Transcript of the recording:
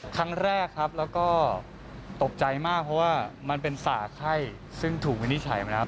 ครั้งแรกครับแล้วก็ตกใจมากเพราะว่ามันเป็นสากไข้ซึ่งถูกวินิจฉัยมาแล้ว